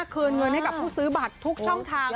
คืนเงินให้กับผู้ซื้อบัตรทุกช่องทาง